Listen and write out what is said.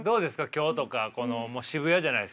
今日とかこのもう渋谷じゃないですか。